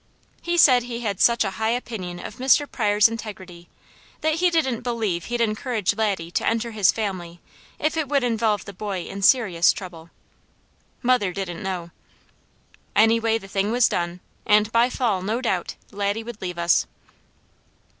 He said he had such a high opinion of Mr. Pryor's integrity that he didn't believe he'd encourage Laddie to enter his family if it would involve the boy in serious trouble. Mother didn't know. Anyway, the thing was done, and by fall, no doubt, Laddie would leave us.